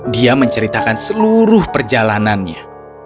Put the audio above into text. dia menceritakan seluruh perjalanannya